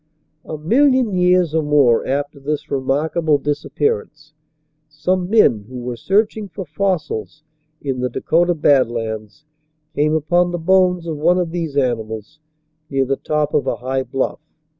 A million years or more after this remarkable dis appearance, some men who were searching for fossils in the Dakota Bad Lands came upon the bones of one of these animals near the top of a high bluff.